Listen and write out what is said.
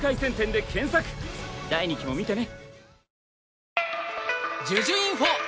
第２期も見てね！